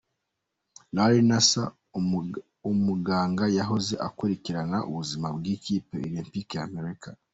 Larry Nasser, umuganga yahoze akurikirana ubuzima bw’ikipe olempike ya Amerika.